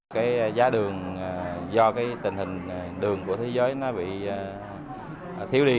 cái giá đường do cái tình hình đường của thế giới nó bị thiếu đi